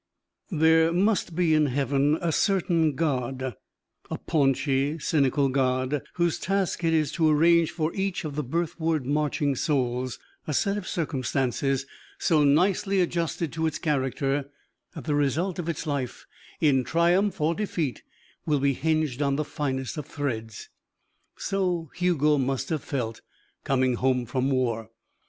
XVI There must be in heaven a certain god a paunchy, cynical god whose task it is to arrange for each of the birthward marching souls a set of circumstances so nicely adjusted to its character that the result of its life, in triumph or defeat, will be hinged on the finest of threads. So Hugo must have felt coming home from war.